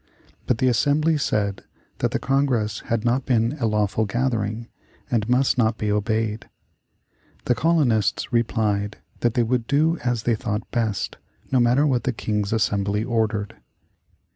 But the Assembly said that the Congress had not been a lawful gathering and must not be obeyed. The colonists replied that they would do as they thought best, no matter what the King's Assembly ordered.